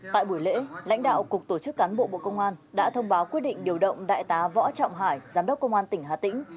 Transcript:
tại buổi lễ lãnh đạo cục tổ chức cán bộ bộ công an đã thông báo quyết định điều động đại tá võ trọng hải giám đốc công an tỉnh hà tĩnh